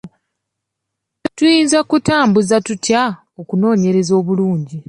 Tuyinza kutambuza tutya okunoonyereza obulungi?